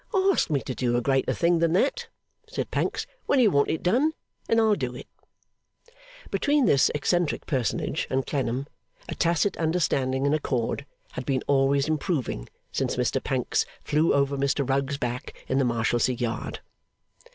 'Ask me to do a greater thing than that,' said Pancks, 'when you want it done, and I'll do it.' Between this eccentric personage and Clennam, a tacit understanding and accord had been always improving since Mr Pancks flew over Mr Rugg's back in the Marshalsea Yard.